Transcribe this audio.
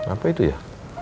apa itu ya